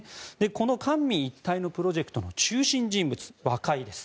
この官民一体のプロジェクトの中心人物若いです。